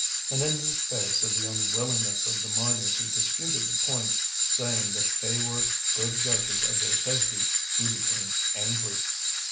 And in face of the unwillingness of the miners who disputed the point, saying that they were good judges of their safety, he became angry.